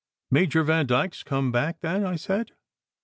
"Major Vandyke s come back, then," I said.